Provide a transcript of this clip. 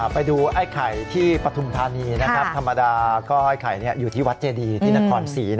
ไปดูไอ้ไข่ที่ปฐุมธานีธรรมดาก็ไอ้ไข่อยู่ที่วัดเจดีที่นครศรี